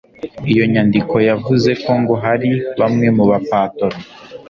iyo nyandiko yavuze ko ngo hari bamwe mu ba patoro